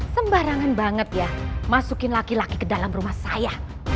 sembarangan banget ya masukin laki laki ke dalam rumah saya